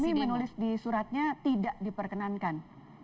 kami menulis di suratnya tidak diperkenankan